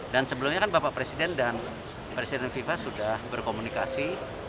dan sebelumnya kan bapak presiden dan presiden viva sudah berkomunikasi